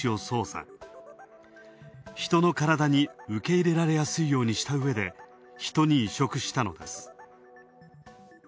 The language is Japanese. ヒトの体に受け入れられやすいようにしたうえで、ヒトに移植したのです。